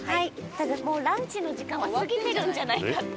ただもうランチの時間は過ぎてるんじゃないかって。